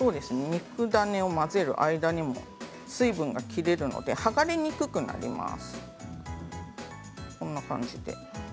肉ダネを混ぜる間に水分が切れるので剥がれにくくなります。